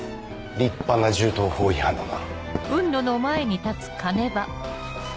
立派な銃刀法違反だな。